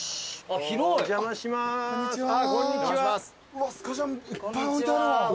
うわっスカジャンいっぱい置いてあるわ。